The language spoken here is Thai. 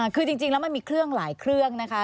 คือจริงแล้วมันมีเครื่องหลายเครื่องนะคะ